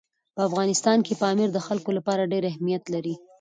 په افغانستان کې پامیر د خلکو لپاره ډېر اهمیت لري.